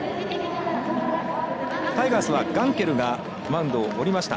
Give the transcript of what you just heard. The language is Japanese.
タイガースはガンケルがマウンドを降りました。